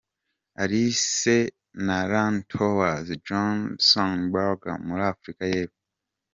Alice lane Towers, Johannesburg, muri Afurika y’ Epfo.